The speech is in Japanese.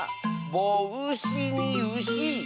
「ぼうし」に「うし」。